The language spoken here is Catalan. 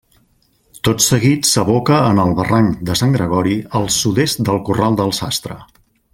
Tot seguit s'aboca en el barranc de Sant Gregori al sud-est del Corral del Sastre.